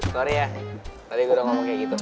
sorry ya tadi udah ngomong kayak gitu